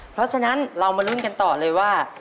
เพราะฉะนั้นเรามาลุ้นกันต่อเลยว่า